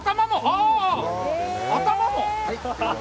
頭も？